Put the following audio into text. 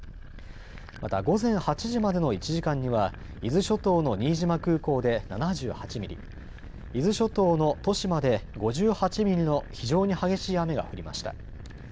また午前８時までの１時間には伊豆諸島の新島空港で７８ミリ、伊豆諸島の利島で５８ミリの非常に激しい雨が降りました。